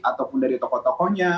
ataupun dari tokoh tokohnya